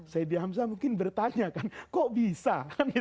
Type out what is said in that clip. sayyidina hamzah mungkin bertanya kan kok bisa kan gitu